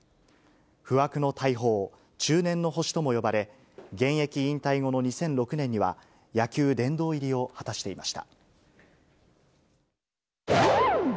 不惑の大砲、中年の星とも呼ばれ、現役引退後の２００６年には、野球殿堂入りを果たしていました。